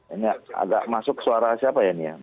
ini agak masuk suara siapa ya ini ya